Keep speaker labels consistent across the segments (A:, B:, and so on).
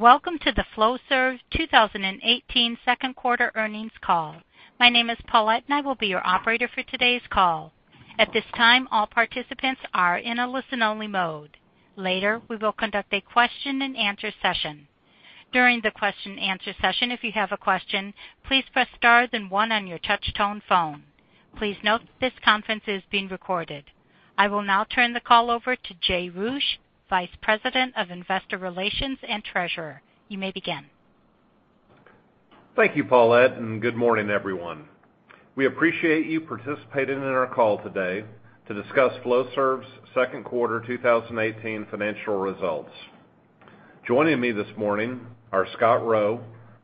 A: Welcome to the Flowserve 2018 second quarter earnings call. My name is Paulette, and I will be your operator for today's call. At this time, all participants are in a listen-only mode. Later, we will conduct a question and answer session. During the question and answer session, if you have a question, please press star then one on your touch-tone phone. Please note that this conference is being recorded. I will now turn the call over to Jay Roueche, Vice President of Investor Relations and Treasurer. You may begin.
B: Thank you, Paulette, and good morning, everyone. We appreciate you participating in our call today to discuss Flowserve's second quarter 2018 financial results. Joining me this morning are Scott Rowe,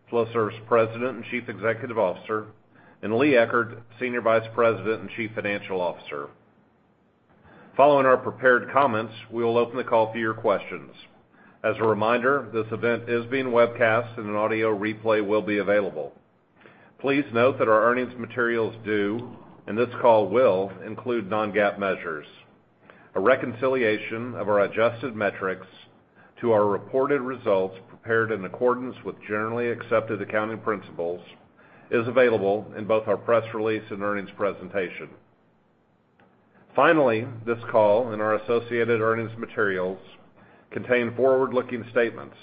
B: Flowserve's President and Chief Executive Officer, and Lee Eckert, Senior Vice President and Chief Financial Officer. Following our prepared comments, we will open the call to your questions. As a reminder, this event is being webcast and an audio replay will be available. Please note that our earnings materials do, and this call will, include non-GAAP measures. A reconciliation of our adjusted metrics to our reported results prepared in accordance with generally accepted accounting principles is available in both our press release and earnings presentation. This call and our associated earnings materials contain forward-looking statements.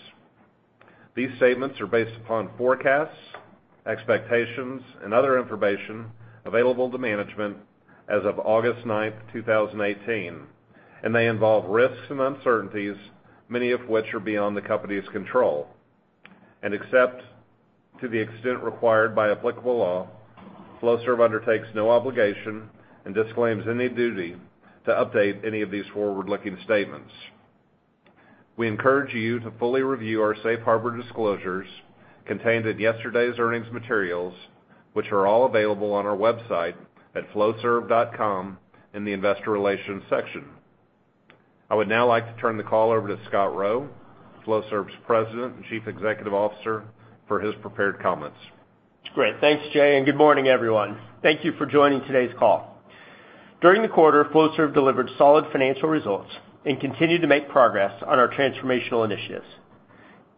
B: These statements are based upon forecasts, expectations, and other information available to management as of August 9th, 2018, and may involve risks and uncertainties, many of which are beyond the company's control. Except to the extent required by applicable law, Flowserve undertakes no obligation and disclaims any duty to update any of these forward-looking statements. We encourage you to fully review our safe harbor disclosures contained in yesterday's earnings materials, which are all available on our website at flowserve.com in the investor relations section. I would now like to turn the call over to Scott Rowe, Flowserve's President and Chief Executive Officer, for his prepared comments.
C: Great. Thanks, Jay, and good morning, everyone. Thank you for joining today's call. During the quarter, Flowserve delivered solid financial results and continued to make progress on our transformational initiatives.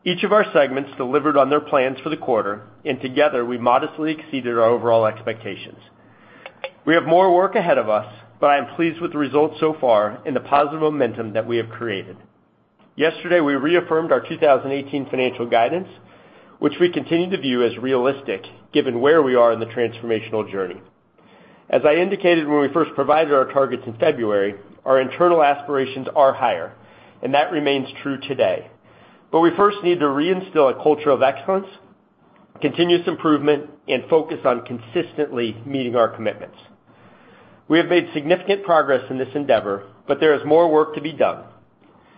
C: Each of our segments delivered on their plans for the quarter, and together, we modestly exceeded our overall expectations. We have more work ahead of us, but I am pleased with the results so far and the positive momentum that we have created. Yesterday, we reaffirmed our 2018 financial guidance, which we continue to view as realistic given where we are in the transformational journey. As I indicated when we first provided our targets in February, our internal aspirations are higher, and that remains true today. We first need to reinstill a culture of excellence, continuous improvement, and focus on consistently meeting our commitments. We have made significant progress in this endeavor, but there is more work to be done.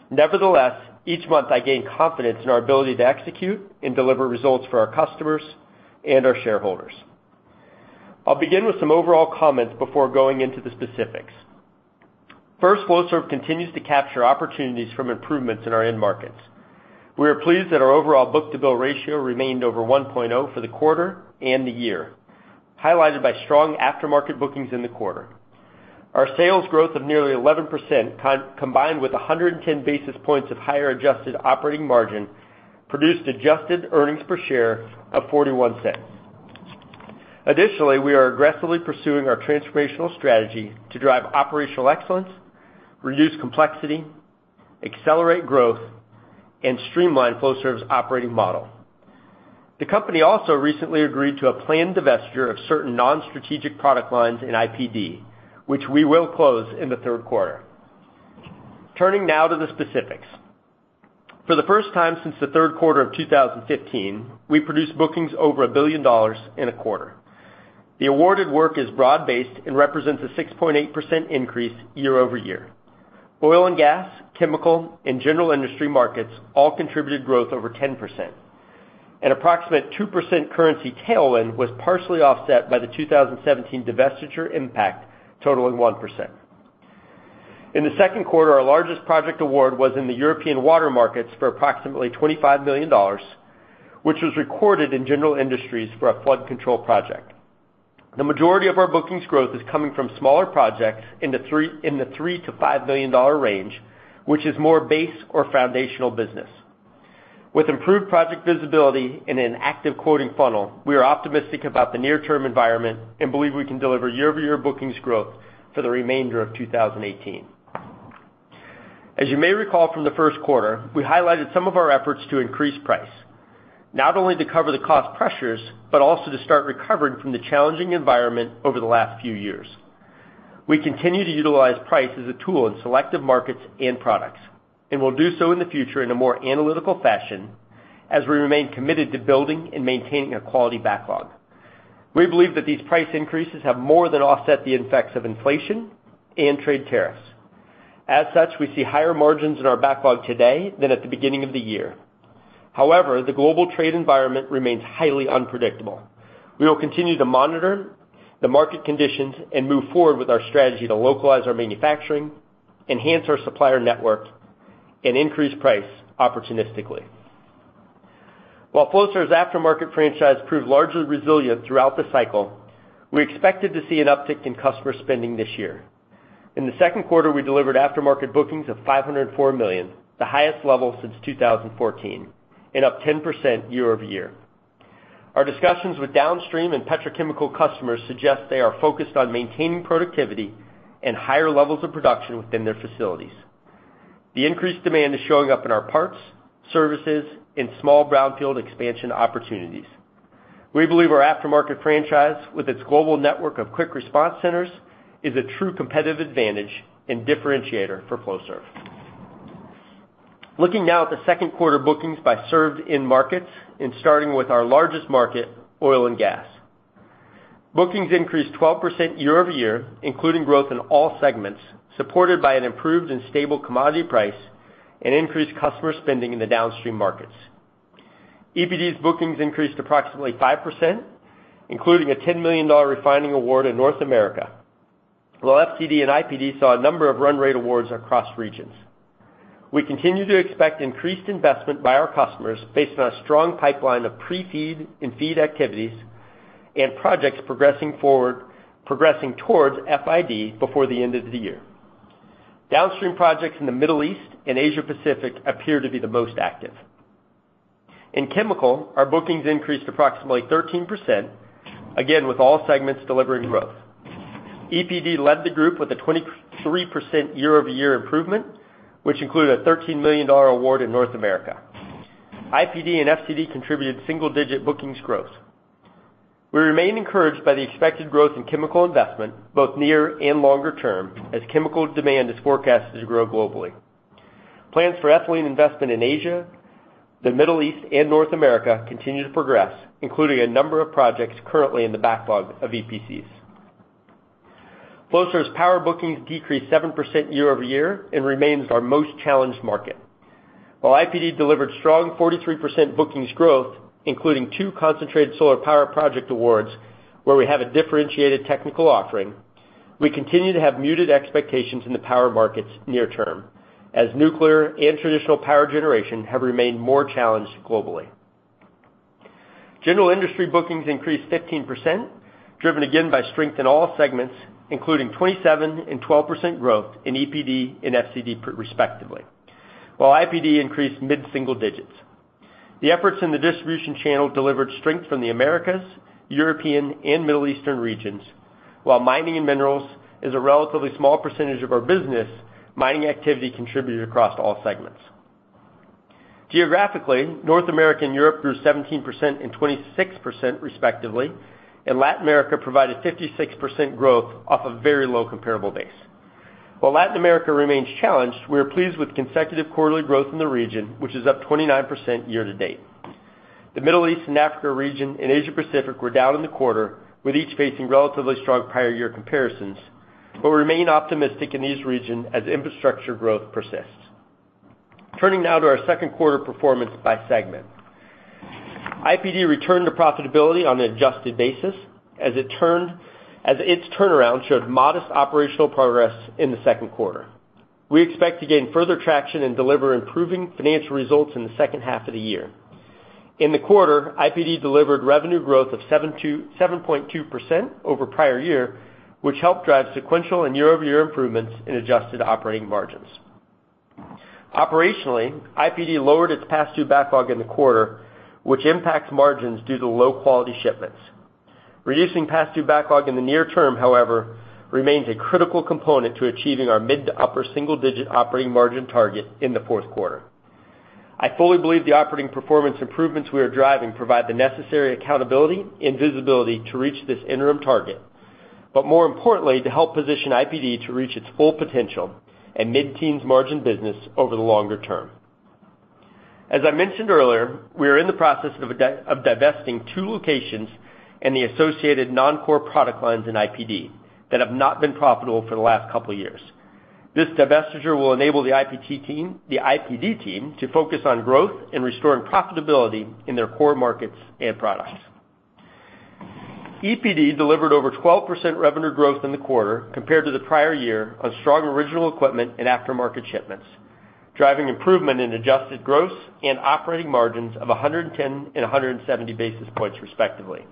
C: Nevertheless, each month I gain confidence in our ability to execute and deliver results for our customers and our shareholders. I'll begin with some overall comments before going into the specifics. First, Flowserve continues to capture opportunities from improvements in our end markets. We are pleased that our overall book-to-bill ratio remained over 1.0 for the quarter and the year, highlighted by strong aftermarket bookings in the quarter. Our sales growth of nearly 11%, combined with 110 basis points of higher adjusted operating margin, produced adjusted earnings per share of $0.41. Additionally, we are aggressively pursuing our transformational strategy to drive operational excellence, reduce complexity, accelerate growth, and streamline Flowserve's operating model. The company also recently agreed to a planned divestiture of certain non-strategic product lines in IPD, which we will close in the third quarter. Turning now to the specifics. For the first time since the third quarter of 2015, we produced bookings over $1 billion in a quarter. The awarded work is broad-based and represents a 6.8% increase year-over-year. Oil and gas, chemical, and general industry markets all contributed growth over 10%. An approximate 2% currency tailwind was partially offset by the 2017 divestiture impact totaling 1%. In the second quarter, our largest project award was in the European water markets for approximately $25 million, which was recorded in general industries for a flood control project. The majority of our bookings growth is coming from smaller projects in the $3 million-$5 million range, which is more base or foundational business. With improved project visibility and an active quoting funnel, we are optimistic about the near-term environment and believe we can deliver year-over-year bookings growth for the remainder of 2018. As you may recall from the first quarter, we highlighted some of our efforts to increase price, not only to cover the cost pressures, but also to start recovering from the challenging environment over the last few years. We continue to utilize price as a tool in selective markets and products, and will do so in the future in a more analytical fashion as we remain committed to building and maintaining a quality backlog. We believe that these price increases have more than offset the effects of inflation and trade tariffs. As such, we see higher margins in our backlog today than at the beginning of the year. However, the global trade environment remains highly unpredictable. We will continue to monitor the market conditions and move forward with our strategy to localize our manufacturing, enhance our supplier network, and increase price opportunistically. While Flowserve's aftermarket franchise proved largely resilient throughout the cycle, we expected to see an uptick in customer spending this year. In the second quarter, we delivered aftermarket bookings of $504 million, the highest level since 2014, and up 10% year-over-year. Our discussions with downstream and petrochemical customers suggest they are focused on maintaining productivity and higher levels of production within their facilities. The increased demand is showing up in our parts, services, and small brownfield expansion opportunities. We believe our aftermarket franchise, with its global network of Quick Response Centers, is a true competitive advantage and differentiator for Flowserve. Looking now at the second quarter bookings by served end markets and starting with our largest market, oil and gas. Bookings increased 12% year-over-year, including growth in all segments, supported by an improved and stable commodity price and increased customer spending in the downstream markets. EPD's bookings increased approximately 5%, including a $10 million refining award in North America, while FCD and IPD saw a number of run rate awards across regions. We continue to expect increased investment by our customers based on a strong pipeline of pre-FEED and FEED activities and projects progressing towards FID before the end of the year. Downstream projects in the Middle East and Asia Pacific appear to be the most active. In chemical, our bookings increased approximately 13%, again with all segments delivering growth. EPD led the group with a 23% year-over-year improvement, which included a $13 million award in North America. IPD and FCD contributed single-digit bookings growth. We remain encouraged by the expected growth in chemical investment, both near and longer term, as chemical demand is forecasted to grow globally. Plans for ethylene investment in Asia, the Middle East, and North America continue to progress, including a number of projects currently in the backlog of EPCs. Flowserve's power bookings decreased 7% year-over-year and remains our most challenged market. While IPD delivered strong 43% bookings growth, including two concentrated solar power project awards, where we have a differentiated technical offering, we continue to have muted expectations in the power markets near term, as nuclear and traditional power generation have remained more challenged globally. General industry bookings increased 15%, driven again by strength in all segments, including 27% and 12% growth in EPD and FCD, respectively. While IPD increased mid-single digits. The efforts in the distribution channel delivered strength from the Americas, European, and Middle Eastern regions. While mining and minerals is a relatively small percentage of our business, mining activity contributed across all segments. Geographically, North America and Europe grew 17% and 26% respectively, and Latin America provided 56% growth off a very low comparable base. While Latin America remains challenged, we are pleased with consecutive quarterly growth in the region, which is up 29% year-to-date. The Middle East and Africa region and Asia Pacific were down in the quarter, with each facing relatively strong prior year comparisons, but remain optimistic in these regions as infrastructure growth persists. Turning now to our second quarter performance by segment. IPD returned to profitability on an adjusted basis as its turnaround showed modest operational progress in the second quarter. We expect to gain further traction and deliver improving financial results in the second half of the year. In the quarter, IPD delivered revenue growth of 7.2% over prior year, which helped drive sequential and year-over-year improvements in adjusted operating margins. Operationally, IPD lowered its past due backlog in the quarter, which impacts margins due to low-quality shipments. Reducing past due backlog in the near term, however, remains a critical component to achieving our mid to upper single-digit operating margin target in the fourth quarter. I fully believe the operating performance improvements we are driving provide the necessary accountability and visibility to reach this interim target, but more importantly, to help position IPD to reach its full potential and mid-teens margin business over the longer term. As I mentioned earlier, we are in the process of divesting two locations and the associated non-core product lines in IPD that have not been profitable for the last couple of years. This divestiture will enable the IPD team to focus on growth and restoring profitability in their core markets and products. EPD delivered over 12% revenue growth in the quarter compared to the prior year on strong original equipment and aftermarket shipments, driving improvement in adjusted gross and operating margins of 110 and 170 basis points, respectively.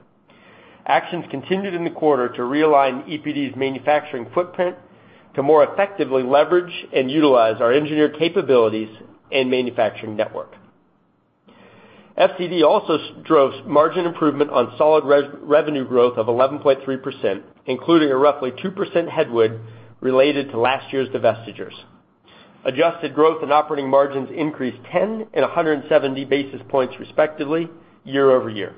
C: Actions continued in the quarter to realign EPD's manufacturing footprint to more effectively leverage and utilize our engineer capabilities and manufacturing network. FCD also drove margin improvement on solid revenue growth of 11.3%, including a roughly 2% headwind related to last year's divestitures. Adjusted growth and operating margins increased 10 and 170 basis points, respectively, year-over-year.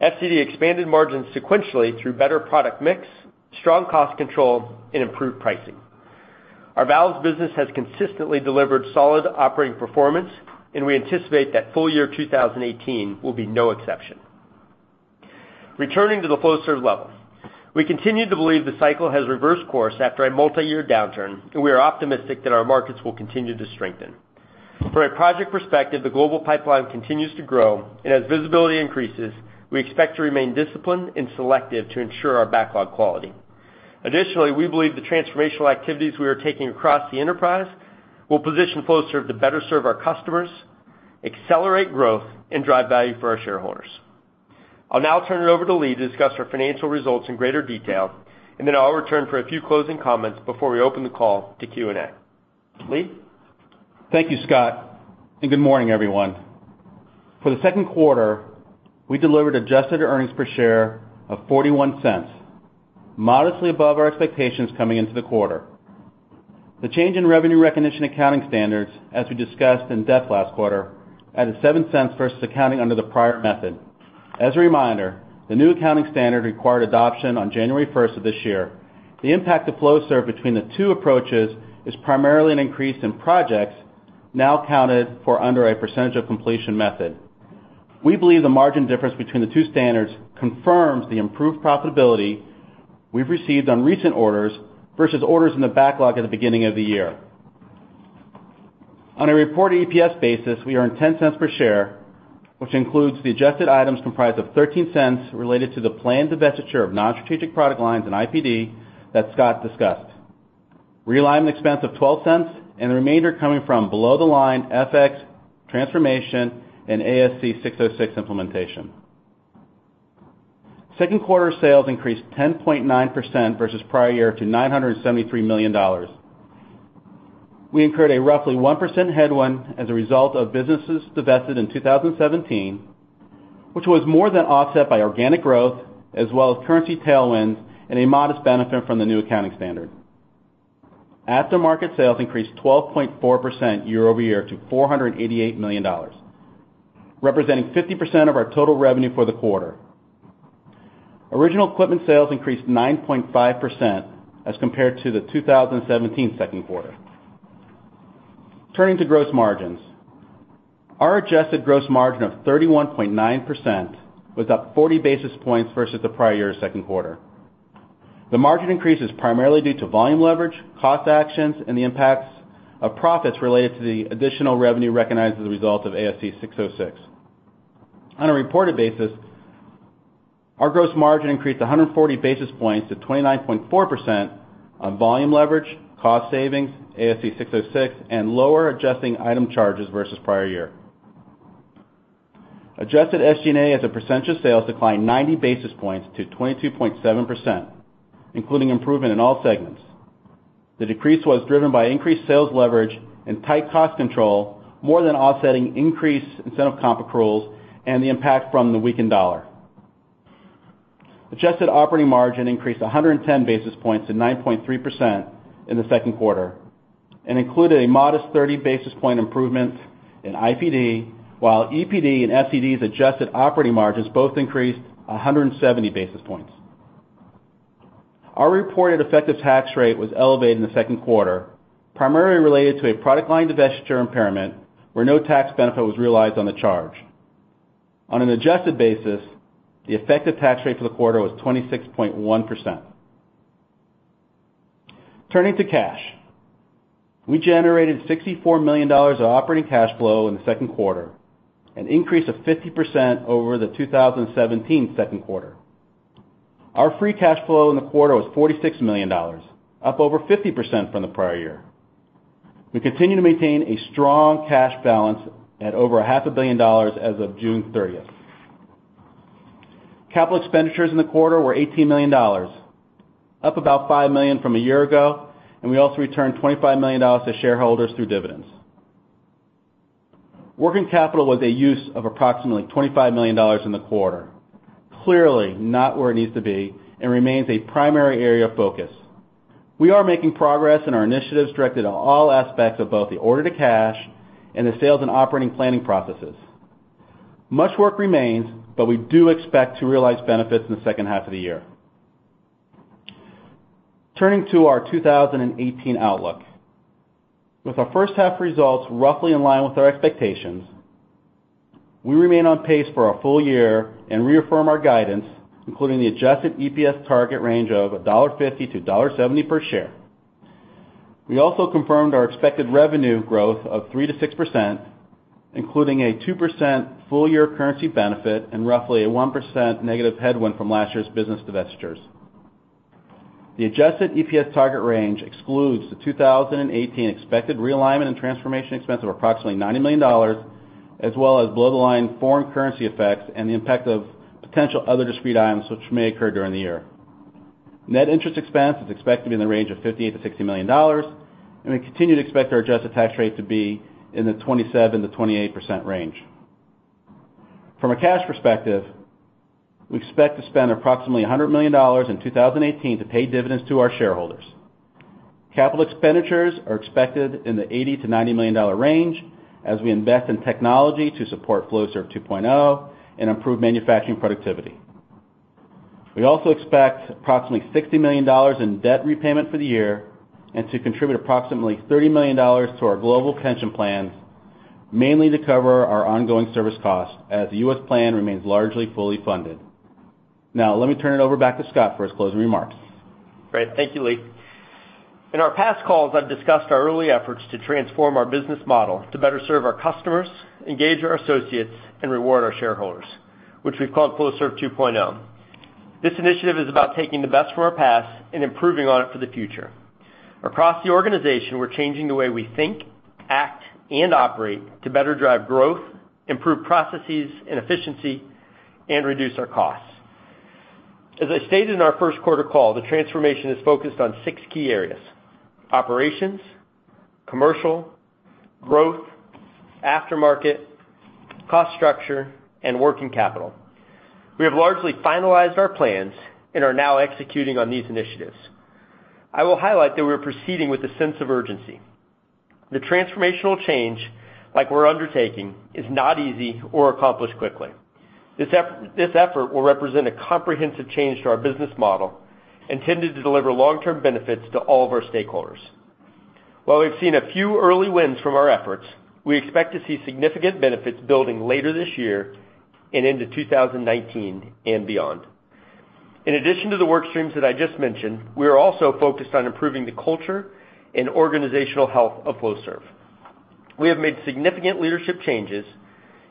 C: FCD expanded margins sequentially through better product mix, strong cost control, and improved pricing. Our valves business has consistently delivered solid operating performance, and we anticipate that full year 2018 will be no exception. Returning to the Flowserve level. We continue to believe the cycle has reversed course after a multi-year downturn, and we are optimistic that our markets will continue to strengthen. From a project perspective, the global pipeline continues to grow, as visibility increases, we expect to remain disciplined and selective to ensure our backlog quality. Additionally, we believe the transformational activities we are taking across the enterprise will position Flowserve to better serve our customers, accelerate growth, and drive value for our shareholders. I'll now turn it over to Lee to discuss our financial results in greater detail, then I'll return for a few closing comments before we open the call to Q&A. Lee?
D: Thank you, Scott. Good morning, everyone. For the second quarter, we delivered adjusted earnings per share of $0.41, modestly above our expectations coming into the quarter. The change in revenue recognition accounting standards, as we discussed in depth last quarter, added $0.07 versus accounting under the prior method. As a reminder, the new accounting standard required adoption on January 1st of this year. The impact to Flowserve between the two approaches is primarily an increase in projects now accounted for under a percentage of completion method. We believe the margin difference between the two standards confirms the improved profitability we've received on recent orders versus orders in the backlog at the beginning of the year. On a reported EPS basis, we earned $0.10 per share, which includes the adjusted items comprised of $0.13 related to the planned divestiture of non-strategic product lines in IPD that Scott discussed. Realignment expense of $0.12, the remainder coming from below the line FX transformation and ASC 606 implementation. Second quarter sales increased 10.9% versus prior year to $973 million. We incurred a roughly 1% headwind as a result of businesses divested in 2017, which was more than offset by organic growth as well as currency tailwinds and a modest benefit from the new accounting standard. Aftermarket sales increased 12.4% year-over-year to $488 million, representing 50% of our total revenue for the quarter. Original equipment sales increased 9.5% as compared to the 2017 second quarter. Turning to gross margins. Our adjusted gross margin of 31.9% was up 40 basis points versus the prior year second quarter. The margin increase is primarily due to volume leverage, cost actions, and the impacts of profits related to the additional revenue recognized as a result of ASC 606. On a reported basis, our gross margin increased 140 basis points to 29.4% on volume leverage, cost savings, ASC 606, and lower adjusting item charges versus prior year. Adjusted SG&A as a percentage of sales declined 90 basis points to 22.7%, including improvement in all segments. The decrease was driven by increased sales leverage and tight cost control, more than offsetting increased incentive comp accruals and the impact from the weakened dollar. Adjusted operating margin increased 110 basis points to 9.3% in the second quarter and included a modest 30 basis point improvement in IPD, while EPD and FCD's adjusted operating margins both increased 170 basis points. Our reported effective tax rate was elevated in the second quarter, primarily related to a product line divestiture impairment where no tax benefit was realized on the charge. On an adjusted basis, the effective tax rate for the quarter was 26.1%. Turning to cash. We generated $64 million of operating cash flow in the second quarter, an increase of 50% over the 2017 second quarter. Our free cash flow in the quarter was $46 million, up over 50% from the prior year. We continue to maintain a strong cash balance at over a half a billion dollars as of June 30th. Capital expenditures in the quarter were $18 million, up about $5 million from a year ago. We also returned $25 million to shareholders through dividends. Working capital was a use of approximately $25 million in the quarter. Clearly, not where it needs to be and remains a primary area of focus. We are making progress in our initiatives directed at all aspects of both the order to cash and the sales and operating planning processes. Much work remains. We do expect to realize benefits in the second half of the year. Turning to our 2018 outlook. With our first half results roughly in line with our expectations, we remain on pace for our full year and reaffirm our guidance, including the adjusted EPS target range of $1.50-$1.70 per share. We also confirmed our expected revenue growth of 3%-6%, including a 2% full year currency benefit and roughly a 1% negative headwind from last year's business divestitures. The adjusted EPS target range excludes the 2018 expected realignment and transformation expense of approximately $90 million, as well as below-the-line foreign currency effects and the impact of potential other discrete items which may occur during the year. Net interest expense is expected to be in the range of $58 million-$60 million. We continue to expect our adjusted tax rate to be in the 27%-28% range. From a cash perspective, we expect to spend approximately $100 million in 2018 to pay dividends to our shareholders. Capital expenditures are expected in the $80 million-$90 million range as we invest in technology to support Flowserve 2.0 and improve manufacturing productivity. We also expect approximately $60 million in debt repayment for the year and to contribute approximately $30 million to our global pension plans, mainly to cover our ongoing service costs as the U.S. plan remains largely fully funded. Let me turn it over back to Scott for his closing remarks.
C: Great. Thank you, Lee. In our past calls, I've discussed our early efforts to transform our business model to better serve our customers, engage our associates, and reward our shareholders, which we've called Flowserve 2.0. This initiative is about taking the best from our past and improving on it for the future. Across the organization, we're changing the way we think, act, and operate to better drive growth, improve processes and efficiency, and reduce our costs. As I stated in our first quarter call, the transformation is focused on six key areas. Operations, commercial, growth, aftermarket, cost structure, and working capital. We have largely finalized our plans and are now executing on these initiatives. I will highlight that we are proceeding with a sense of urgency. The transformational change, like we're undertaking, is not easy or accomplished quickly. This effort will represent a comprehensive change to our business model, intended to deliver long-term benefits to all of our stakeholders. While we've seen a few early wins from our efforts, we expect to see significant benefits building later this year and into 2019 and beyond. In addition to the work streams that I just mentioned, we are also focused on improving the culture and organizational health of Flowserve. We have made significant leadership changes,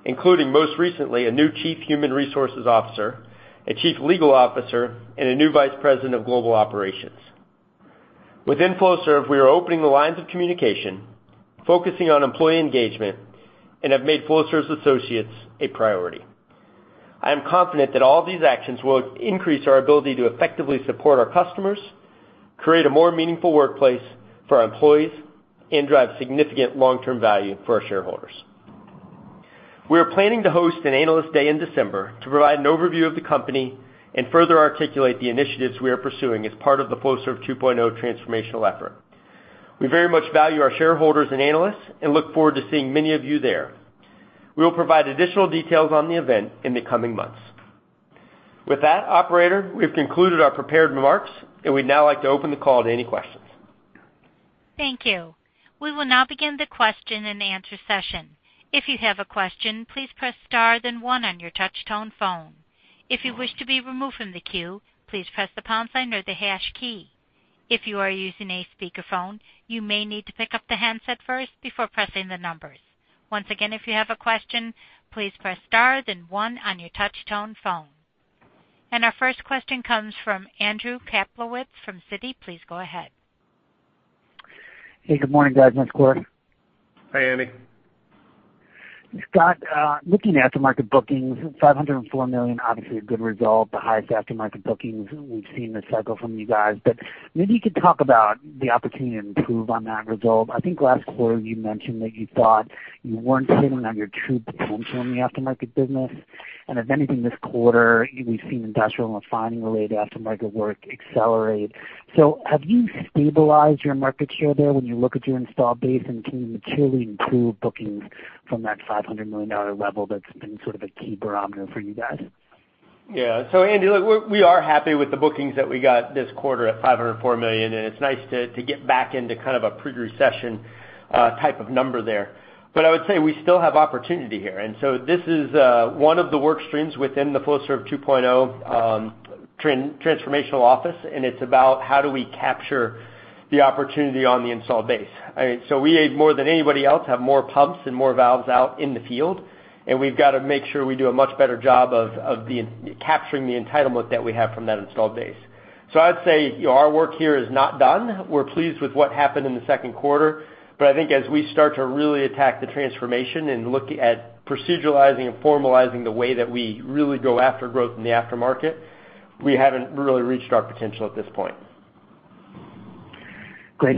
C: including, most recently, a new Chief Human Resources Officer, a Chief Legal Officer, and a new Vice President of Global Operations. Within Flowserve, we are opening the lines of communication, focusing on employee engagement, and have made Flowserve's associates a priority. I am confident that all these actions will increase our ability to effectively support our customers, create a more meaningful workplace for our employees, and drive significant long-term value for our shareholders. We are planning to host an analyst day in December to provide an overview of the company and further articulate the initiatives we are pursuing as part of the Flowserve 2.0 transformational effort. We very much value our shareholders and analysts and look forward to seeing many of you there. We will provide additional details on the event in the coming months. Operator, we've concluded our prepared remarks, and we'd now like to open the call to any questions.
A: Thank you. We will now begin the question and answer session. If you have a question, please press star then one on your touch tone phone. If you wish to be removed from the queue, please press the pound sign or the hash key. If you are using a speakerphone, you may need to pick up the handset first before pressing the numbers. Once again, if you have a question, please press star then one on your touch tone phone. Our first question comes from Andy Kaplowitz from Citi. Please go ahead.
E: Hey, good morning, guys. Nice quarter.
C: Hi, Andy.
E: Scott, looking at aftermarket bookings, $504 million, obviously a good result. The highest aftermarket bookings we've seen this cycle from you guys. Maybe you could talk about the opportunity to improve on that result. I think last quarter you mentioned that you thought you weren't hitting on your true potential in the aftermarket business. If anything, this quarter, we've seen industrial and refining-related aftermarket work accelerate. Have you stabilized your market share there when you look at your installed base? Can you materially improve bookings from that $500 million level that's been sort of a key barometer for you guys?
C: Yeah. Andy, look, we are happy with the bookings that we got this quarter at $504 million. It's nice to get back into kind of a pre-recession type of number there. I would say we still have opportunity here. This is one of the work streams within the Flowserve 2.0 transformational office, and it's about how do we capture the opportunity on the installed base. We, more than anybody else, have more pumps and more valves out in the field, and we've got to make sure we do a much better job of capturing the entitlement that we have from that installed base. I'd say our work here is not done. We're pleased with what happened in the second quarter, but I think as we start to really attack the transformation and look at proceduralizing and formalizing the way that we really go after growth in the aftermarket, we haven't really reached our potential at this point.
E: Great.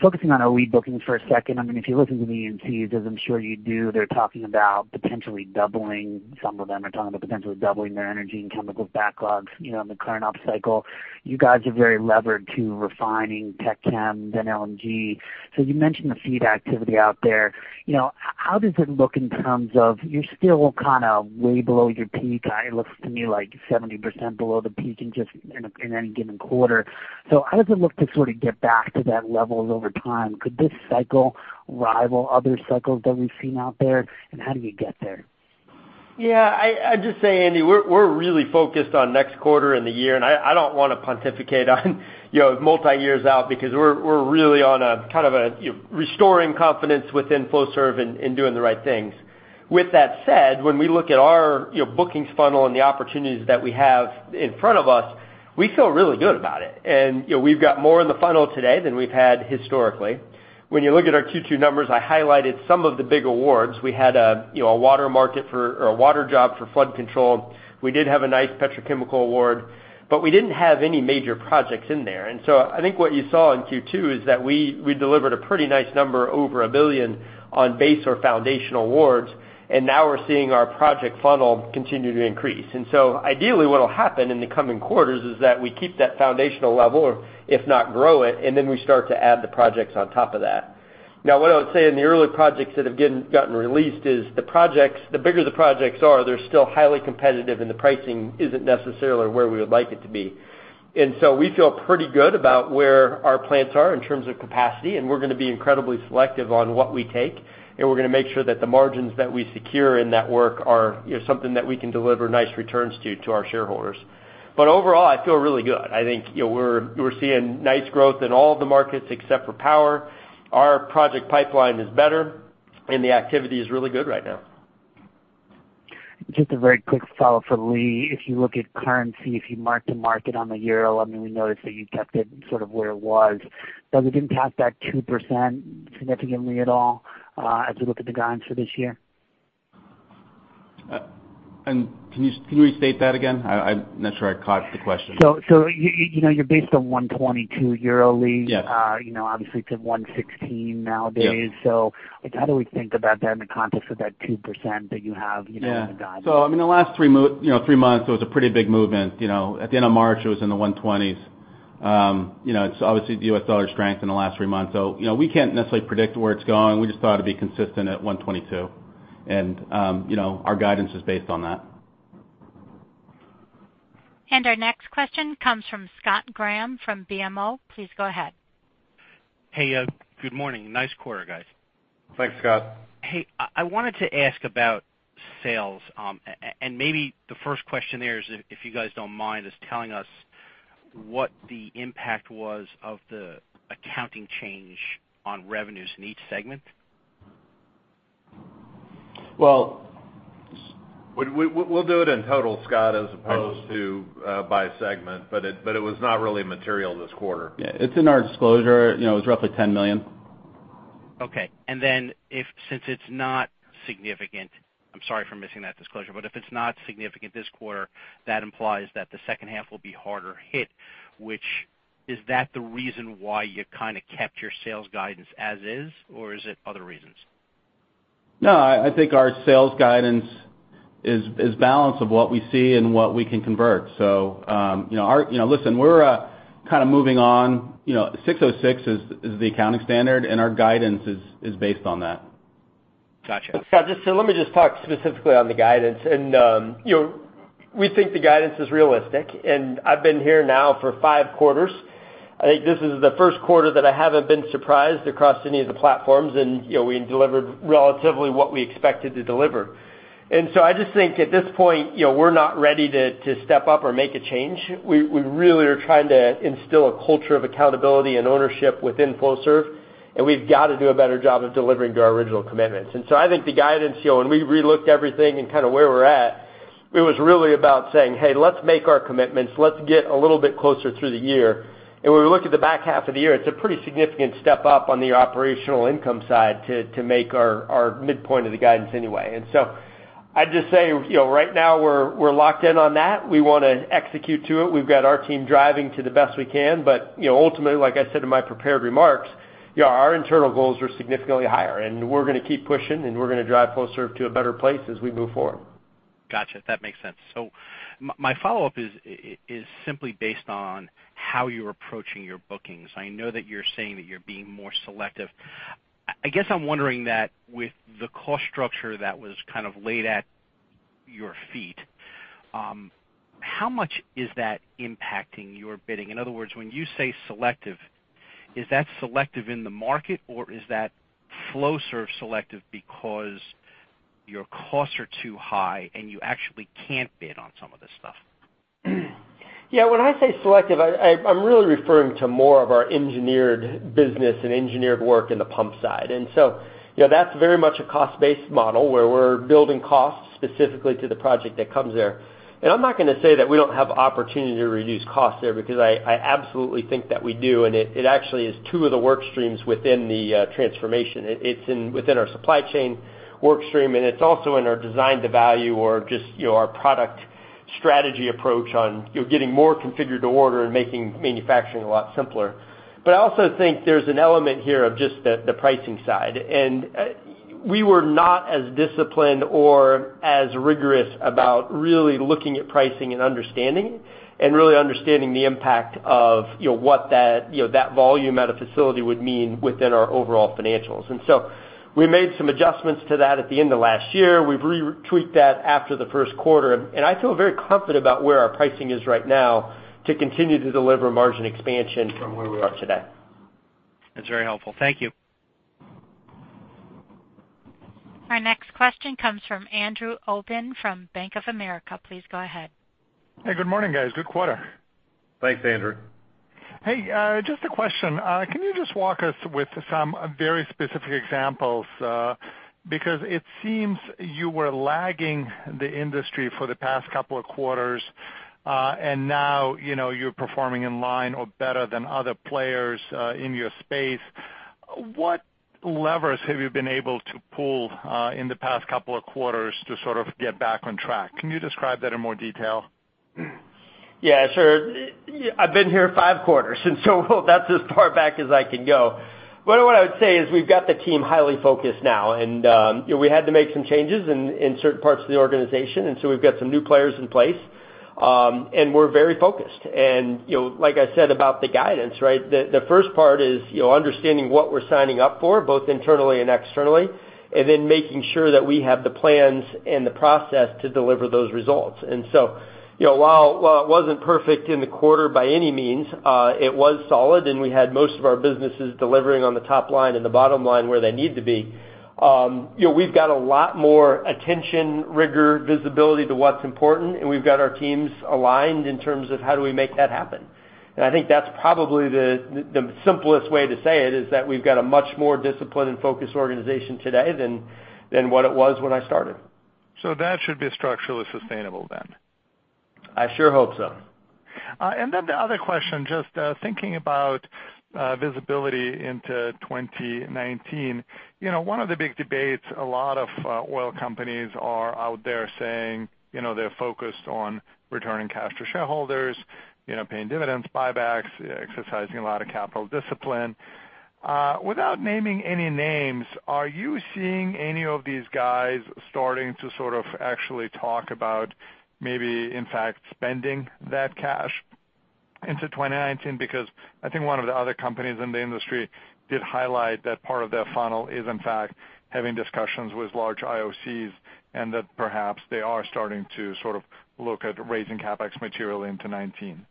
E: Focusing on OE bookings for a second, if you listen to the EPCs, as I'm sure you do, they're talking about potentially doubling, some of them are talking about potentially doubling their energy and chemicals backlogs in the current op cycle. You guys are very levered to refining petrochemical and LNG. You mentioned the FEED activity out there. How does it look in terms of you're still kind of way below your peak. It looks to me like 70% below the peak in any given quarter. How does it look to sort of get back to that level over time? Could this cycle rival other cycles that we've seen out there, how do we get there?
C: Yeah. I'd just say, Andy, we're really focused on next quarter and the year, I don't want to pontificate on multi-years out because we're really on a kind of restoring confidence within Flowserve and doing the right things. With that said, when we look at our bookings funnel and the opportunities that we have in front of us, we feel really good about it. We've got more in the funnel today than we've had historically. When you look at our Q2 numbers, I highlighted some of the big awards. We had a water job for flood control. We did have a nice petrochemical award. We didn't have any major projects in there. I think what you saw in Q2 is that we delivered a pretty nice number, over $1 billion, on base or foundational awards. Now we're seeing our project funnel continue to increase. Ideally, what'll happen in the coming quarters is that we keep that foundational level, if not grow it, then we start to add the projects on top of that. What I would say in the early projects that have gotten released is the bigger the projects are, they're still highly competitive and the pricing isn't necessarily where we would like it to be. We feel pretty good about where our plants are in terms of capacity, and we're going to be incredibly selective on what we take, and we're going to make sure that the margins that we secure in that work are something that we can deliver nice returns to our shareholders. Overall, I feel really good. I think we're seeing nice growth in all of the markets except for power. Our project pipeline is better
D: The activity is really good right now.
E: Just a very quick follow for Lee. If you look at currency, if you mark to market on the EUR, I mean, we noticed that you kept it sort of where it was. We didn't pass that 2% significantly at all, as we look at the guidance for this year.
D: Can you restate that again? I'm not sure I caught the question.
E: you're based on 122 euro, Lee.
D: Yes.
E: Obviously, it's at 116 nowadays.
D: Yeah.
E: How do we think about that in the context of that 2% that you have in the guidance?
D: In the last three months, it was a pretty big movement. At the end of March, it was in the EUR 120s. It's obviously the U.S. dollar strength in the last three months. We can't necessarily predict where it's going. We just thought it'd be consistent at 122. Our guidance is based on that.
A: Our next question comes from Scott Graham from BMO. Please go ahead.
F: Hey, good morning. Nice quarter, guys.
D: Thanks, Scott.
F: Hey, I wanted to ask about sales. Maybe the first question there is, if you guys don't mind, is telling us what the impact was of the accounting change on revenues in each segment.
D: Well
B: We'll do it in total, Scott, as opposed to by segment, but it was not really material this quarter.
D: Yeah, it's in our disclosure. It was roughly $10 million.
F: Okay. Since it's not significant, I'm sorry for missing that disclosure, but if it's not significant this quarter, that implies that the second half will be harder hit. Which is that the reason why you kind of kept your sales guidance as is, or is it other reasons?
D: No, I think our sales guidance is balance of what we see and what we can convert. Listen, we're kind of moving on. 606 is the accounting standard, and our guidance is based on that.
C: Got you. Scott, let me just talk specifically on the guidance. We think the guidance is realistic, and I've been here now for five quarters. I think this is the first quarter that I haven't been surprised across any of the platforms, and we delivered relatively what we expected to deliver. I just think at this point, we're not ready to step up or make a change. We really are trying to instill a culture of accountability and ownership within Flowserve, and we've got to do a better job of delivering to our original commitments. I think the guidance, when we re-looked everything and kind of where we're at, it was really about saying, "Hey, let's make our commitments.
D: Let's get a little bit closer through the year." When we look at the back half of the year, it's a pretty significant step up on the operational income side to make our midpoint of the guidance anyway. I'd just say, right now, we're locked in on that. We want to execute to it. We've got our team driving to the best we can. Ultimately, like I said in my prepared remarks, our internal goals are significantly higher, and we're going to keep pushing, and we're going to drive Flowserve to a better place as we move forward.
F: Got you. That makes sense. My follow-up is simply based on how you're approaching your bookings. I know that you're saying that you're being more selective. I guess I'm wondering that with the cost structure that was kind of laid at your feet, how much is that impacting your bidding? In other words, when you say selective, is that selective in the market, or is that Flowserve selective because your costs are too high, and you actually can't bid on some of this stuff?
C: Yeah, when I say selective, I'm really referring to more of our engineered business and engineered work in the pump side. That's very much a cost-based model, where we're building costs specifically to the project that comes there. I'm not going to say that we don't have opportunity to reduce costs there because I absolutely think that we do, and it actually is two of the work streams within the transformation. It's within our supply chain work stream, and it's also in our design to value or just our product strategy approach on getting more configured to order and making manufacturing a lot simpler. I also think there's an element here of just the pricing side. We were not as disciplined or as rigorous about really looking at pricing and understanding it, and really understanding the impact of what that volume at a facility would mean within our overall financials. We made some adjustments to that at the end of last year. We've tweaked that after the first quarter, I feel very confident about where our pricing is right now to continue to deliver margin expansion from where we are today.
F: That's very helpful. Thank you.
A: Our next question comes from Andrew Obin from Bank of America. Please go ahead.
G: Good morning, guys. Good quarter.
D: Thanks, Andrew.
G: Just a question. Can you just walk us with some very specific examples? It seems you were lagging the industry for the past couple of quarters, and now you're performing in line or better than other players in your space. What levers have you been able to pull in the past couple of quarters to sort of get back on track? Can you describe that in more detail?
C: Sure. I've been here five quarters, so that's as far back as I can go. What I would say is we've got the team highly focused now, we had to make some changes in certain parts of the organization. We've got some new players in place, and we're very focused. Like I said about the guidance, right? The first part is understanding what we're signing up for, both internally and externally, then making sure that we have the plans and the process to deliver those results. While it wasn't perfect in the quarter by any means, it was solid, we had most of our businesses delivering on the top line and the bottom line where they need to be.
D: We've got a lot more attention, rigor, visibility to what's important, we've got our teams aligned in terms of how do we make that happen. I think that's probably the simplest way to say it, is that we've got a much more disciplined and focused organization today than what it was when I started.
G: That should be structurally sustainable then?
C: I sure hope so.
G: The other question, just thinking about visibility into 2019. One of the big debates, a lot of oil companies are out there saying, they're focused on returning cash to shareholders, paying dividends, buybacks, exercising a lot of capital discipline. Without naming any names, are you seeing any of these guys starting to sort of actually talk about maybe in fact spending that cash into 2019? Because I think one of the other companies in the industry did highlight that part of their funnel is in fact having discussions with large IOCs and that perhaps they are starting to sort of look at raising CapEx material into 2019.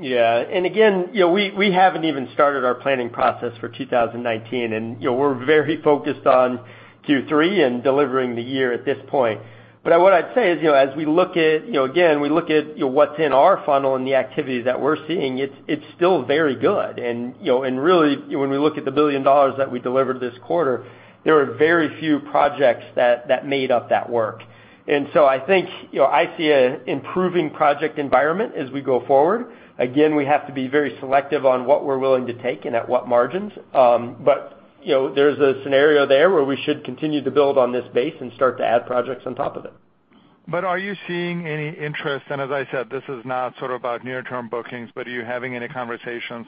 C: Yeah. Again, we haven't even started our planning process for 2019. We're very focused on Q3 and delivering the year at this point. What I'd say is, as we look at, again, we look at what's in our funnel and the activity that we're seeing, it's still very good. Really, when we look at the $1 billion that we delivered this quarter, there are very few projects that made up that work. I think I see an improving project environment as we go forward. Again, we have to be very selective on what we're willing to take and at what margins. There's a scenario there where we should continue to build on this base and start to add projects on top of it.
G: Are you seeing any interest? As I said, this is not sort of about near term bookings, are you having any conversations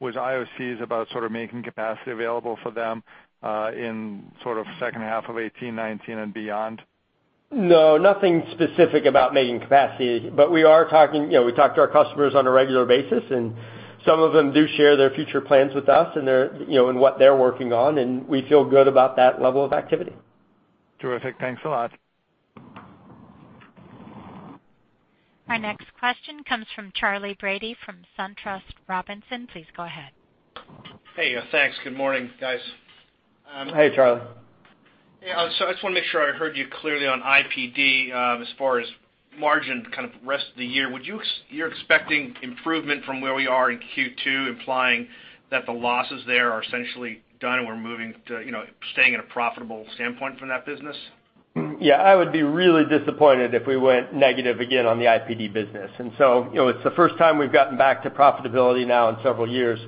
G: with IOCs about sort of making capacity available for them in sort of second half of 2018, 2019 and beyond?
C: No, nothing specific about making capacity. We talk to our customers on a regular basis and some of them do share their future plans with us and what they're working on, and we feel good about that level of activity.
G: Terrific. Thanks a lot.
A: Our next question comes from Charlie Brady from SunTrust Robinson. Please go ahead.
H: Hey. Thanks. Good morning, guys.
C: Hey, Charlie.
H: Yeah. I just want to make sure I heard you clearly on IPD. As far as margin kind of rest of the year, you're expecting improvement from where we are in Q2 implying that the losses there are essentially done and we're staying in a profitable standpoint from that business?
C: Yeah. I would be really disappointed if we went negative again on the IPD business. It's the first time we've gotten back to profitability now in several years.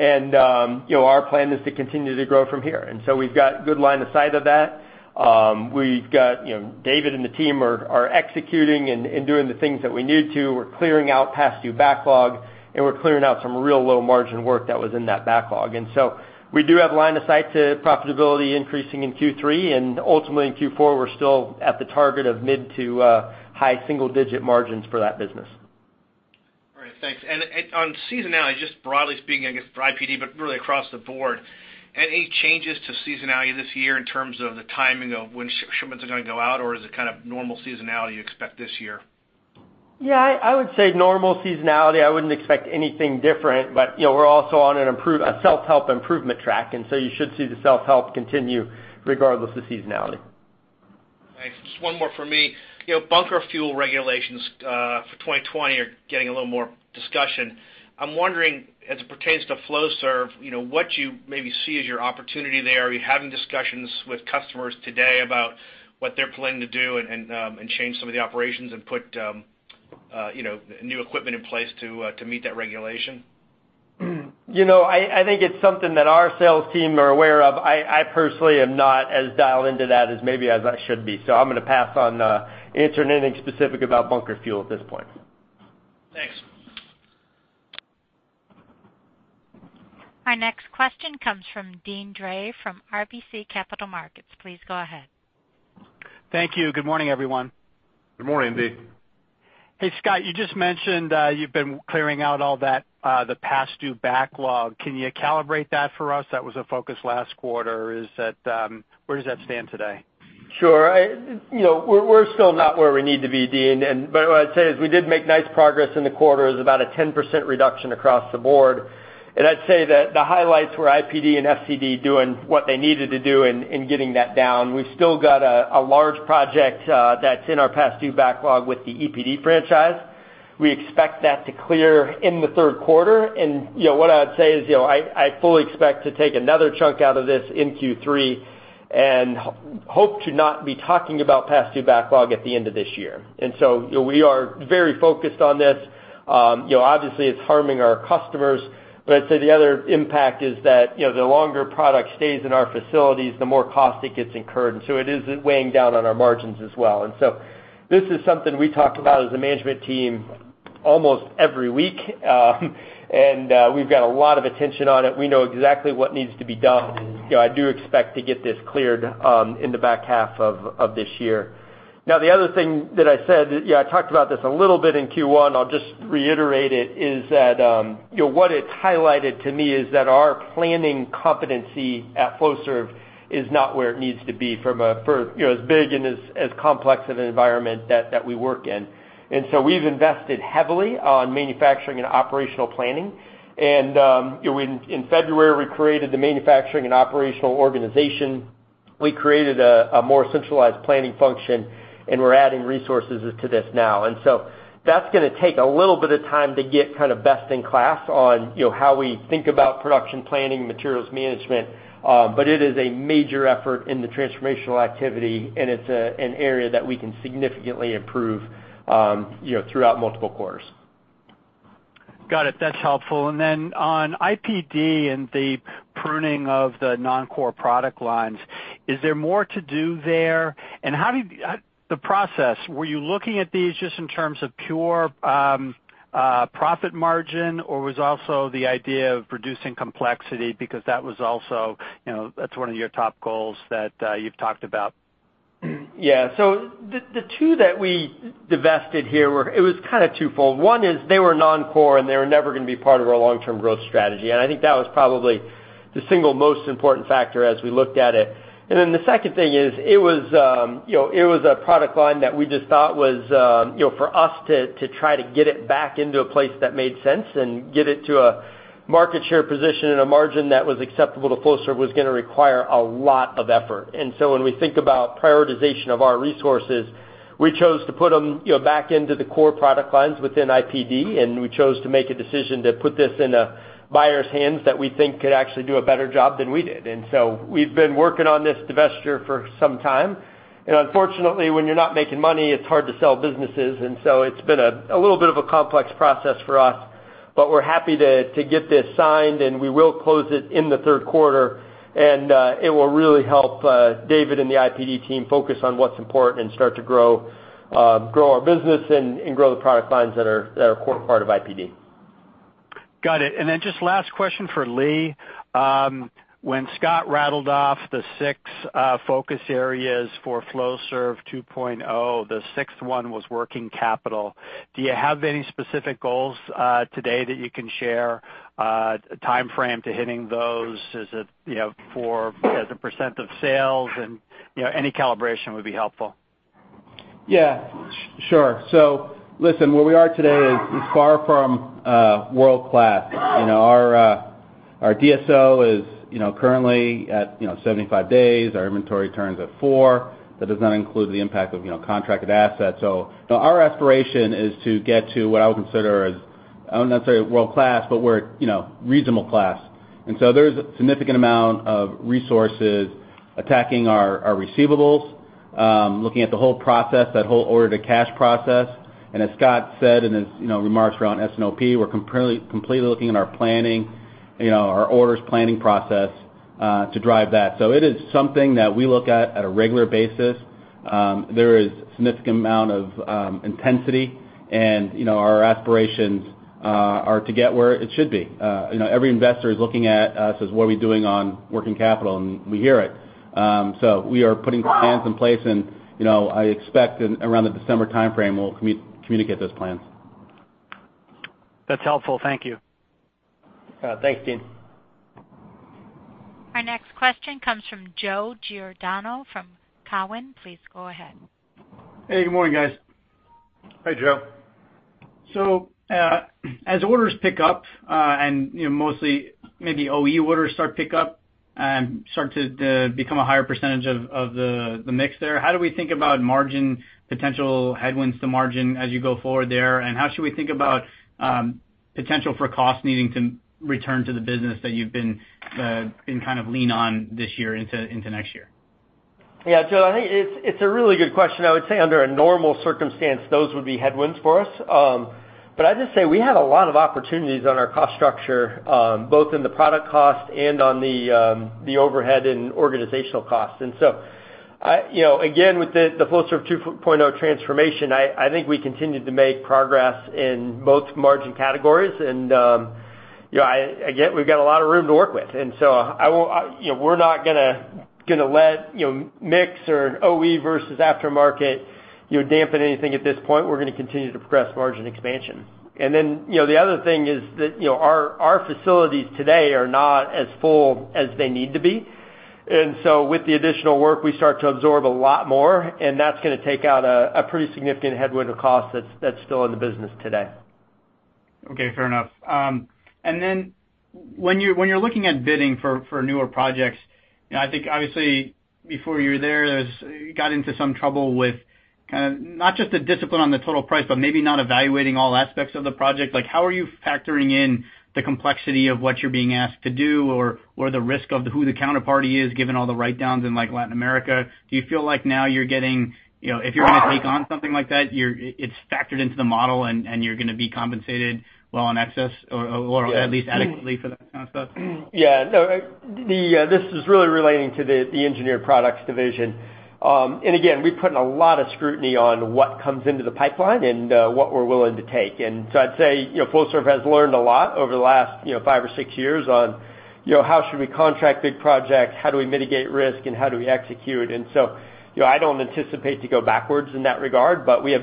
C: Our plan is to continue to grow from here. We've got good line of sight of that. David and the team are executing and doing the things that we need to. We're clearing out past due backlog and we're clearing out some real low margin work that was in that backlog. We do have line of sight to profitability increasing in Q3 and ultimately in Q4 we're still at the target of mid to high single digit margins for that business.
H: All right. Thanks. On seasonality, just broadly speaking, I guess for IPD, but really across the board, any changes to seasonality this year in terms of the timing of when shipments are going to go out? Or is it kind of normal seasonality you expect this year?
C: Yeah, I would say normal seasonality. I wouldn't expect anything different. We're also on a self-help improvement track you should see the self-help continue regardless of seasonality.
H: Thanks. Just one more for me. bunker fuel regulations for 2020 are getting a little more discussion. I'm wondering as it pertains to Flowserve, what you maybe see as your opportunity there. Are you having discussions with customers today about what they're planning to do and change some of the operations and put new equipment in place to meet that regulation?
C: I think it's something that our sales team are aware of. I personally am not as dialed into that as maybe as I should be. I'm going to pass on answering anything specific about bunker fuel at this point.
H: Thanks.
A: Our next question comes from Deane Dray from RBC Capital Markets. Please go ahead.
I: Thank you. Good morning, everyone.
C: Good morning, Deane.
I: Scott, you just mentioned you've been clearing out all the past due backlog. Can you calibrate that for us? That was a focus last quarter. Where does that stand today?
C: Sure. We're still not where we need to be, Deane. What I'd say is we did make nice progress in the quarter as about a 10% reduction across the board. I'd say that the highlights were IPD and FCD doing what they needed to do in getting that down. We've still got a large project that's in our past due backlog with the EPD franchise. We expect that to clear in the third quarter. What I would say is I fully expect to take another chunk out of this in Q3 and hope to not be talking about past due backlog at the end of this year. We are very focused on this. Obviously it's harming our customers, but I'd say the other impact is that the longer product stays in our facilities, the more cost it gets incurred. It is weighing down on our margins as well. This is something we talk about as a management team almost every week. We've got a lot of attention on it. We know exactly what needs to be done. I do expect to get this cleared in the back half of this year. Now the other thing that I said, I talked about this a little bit in Q1, I'll just reiterate it, is that what it's highlighted to me is that our planning competency at Flowserve is not where it needs to be for as big and as complex of an environment that we work in. We've invested heavily on manufacturing and operational planning. In February we created the manufacturing and operational organization. We created a more centralized planning function and we're adding resources to this now. That's going to take a little bit of time to get kind of best in class on how we think about production planning, materials management. It is a major effort in the transformational activity and it's an area that we can significantly improve throughout multiple quarters.
I: Got it. That's helpful. Then on IPD and the pruning of the non-core product lines, is there more to do there? The process, were you looking at these just in terms of pure profit margin or was also the idea of reducing complexity because that's one of your top goals that you've talked about?
C: Yeah. The two that we divested here, it was kind of twofold. One is they were non-core, and they were never going to be part of our long-term growth strategy. I think that was probably the single most important factor as we looked at it. The second thing is it was a product line that we just thought was, for us to try to get it back into a place that made sense and get it to a market share position and a margin that was acceptable to Flowserve was going to require a lot of effort. When we think about prioritization of our resources, we chose to put them back into the core product lines within IPD, we chose to make a decision to put this in a buyer's hands that we think could actually do a better job than we did. We've been working on this divestiture for some time, unfortunately, when you're not making money, it's hard to sell businesses. It's been a little bit of a complex process for us, but we're happy to get this signed, we will close it in the third quarter. It will really help David and the IPD team focus on what's important and start to grow our business and grow the product lines that are a core part of IPD.
I: Got it. Just last question for Lee. When Scott rattled off the six focus areas for Flowserve 2.0, the sixth one was working capital. Do you have any specific goals today that you can share, a timeframe to hitting those? Is it as a % of sales? Any calibration would be helpful.
D: Yeah, sure. Listen, where we are today is far from world-class. Our DSO is currently at 75 days. Our inventory turns at four. That does not include the impact of contracted assets. Our aspiration is to get to what I would consider as, not necessarily world-class, but we're reasonable class. There's a significant amount of resources attacking our receivables, looking at the whole process, that whole order-to-cash process. As Scott said in his remarks around S&OP, we're completely looking at our orders planning process to drive that. It is something that we look at on a regular basis. There is a significant amount of intensity, and our aspirations are to get where it should be. Every investor is looking at us as what are we doing on working capital, and we hear it. We are putting plans in place, and I expect around the December timeframe, we'll communicate those plans.
I: That's helpful. Thank you.
C: Thanks, Deane.
A: Our next question comes from Joe Giordano from Cowen. Please go ahead.
J: Hey, good morning, guys.
C: Hey, Joe.
J: As orders pick up, and mostly maybe OE orders start to pick up and start to become a higher percentage of the mix there, how do we think about potential headwinds to margin as you go forward there, and how should we think about potential for cost needing to return to the business that you've been kind of lean on this year into next year?
C: Yeah, Joe, I think it's a really good question. I would say under a normal circumstance, those would be headwinds for us. I'd just say we have a lot of opportunities on our cost structure, both in the product cost and on the overhead and organizational costs. Again, with the Flowserve 2.0 transformation, I think we continued to make progress in both margin categories. Again, we've got a lot of room to work with, so we're not going to let mix or an OE versus aftermarket dampen anything at this point. We're going to continue to progress margin expansion. The other thing is that our facilities today are not as full as they need to be. With the additional work, we start to absorb a lot more, and that's going to take out a pretty significant headwind of cost that's still in the business today.
J: Okay, fair enough. When you're looking at bidding for newer projects, I think obviously before you were there, got into some trouble with kind of not just the discipline on the total price, but maybe not evaluating all aspects of the project. How are you factoring in the complexity of what you're being asked to do, or the risk of who the counterparty is, given all the write-downs in Latin America? Do you feel like now you're getting, if you're going to take on something like that, it's factored into the model, and you're going to be compensated well in excess or at least adequately for that kind of stuff?
C: Yeah. No, this is really relating to the Engineered Products division. Again, we put a lot of scrutiny on what comes into the pipeline and what we're willing to take. I'd say, Flowserve has learned a lot over the last five or six years on how should we contract big projects, how do we mitigate risk, and how do we execute. I don't anticipate to go backwards in that regard, but we have